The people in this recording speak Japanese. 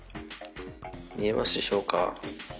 見えますでしょうか。